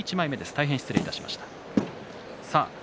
大変失礼しました。